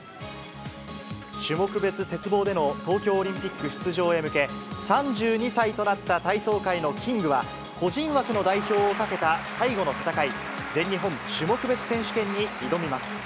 種目別鉄棒での東京オリンピック出場へ向け、３２歳となった体操界のキングは、個人枠の代表をかけた最後の戦い、全日本種目別選手権に挑みます。